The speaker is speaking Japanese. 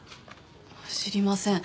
知りません。